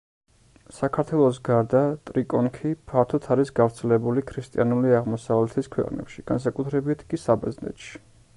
საქართველოს გარდა ტრიკონქი ფართოდ არის გავრცელებული ქრისტიანული აღმოსავლეთის ქვეყნებში, განსაკუთრებით კი საბერძნეთში.